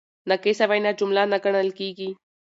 ناقصه وینا جمله نه ګڼل کیږي.